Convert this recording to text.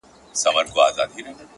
د ژوندون ساز كي ائينه جوړه كړي.